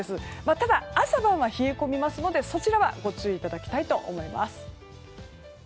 ただ、朝晩は冷え込みますのでそちらはご注意いただきたいと思います。